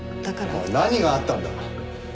おい何があったんだ？